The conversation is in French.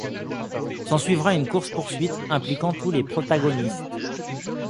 S'en suivra une course poursuite impliquant tous les protagonistes.